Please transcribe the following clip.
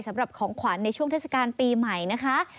สำหรับของขวัญในช่วงเทศกาลปีใหม่นะคะ